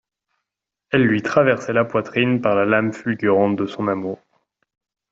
Elle lui traversait la poitrine par la lame fulgurante de son amour.